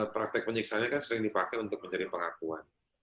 praktek penyiksaannya kan sering dipakai untuk mencari pengakuan